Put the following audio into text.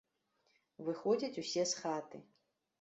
Выходзяць усе з хаты.